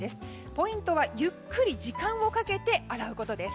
ポイントはゆっくり時間をかけて洗うことです。